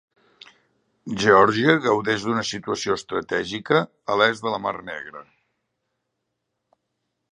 Geòrgia gaudeix d'una situació estratègica a l'est de la Mar Negra.